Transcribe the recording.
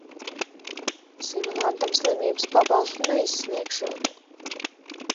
Simulantam slimības pabalstu neizsniegšot.